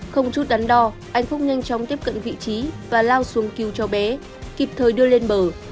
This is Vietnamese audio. không chút đắn đo anh phúc nhanh chóng tiếp cận vị trí và lao xuống cứu cho bé kịp thời đưa lên bờ